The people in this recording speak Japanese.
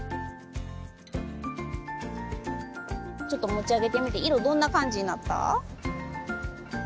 ちょっと持ち上げてみて色どんな感じになった？